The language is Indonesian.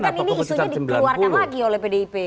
tapi kan ini isunya dikeluarkan lagi oleh pdip